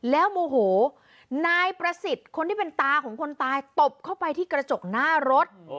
แล้วโมโหนายประสิทธิ์คนที่เป็นตาของคนตายตบเข้าไปที่กระจกหน้ารถ